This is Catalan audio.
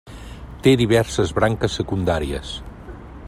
Té diverses branques secundàries.